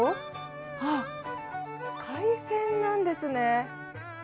あっ、海鮮なんですね。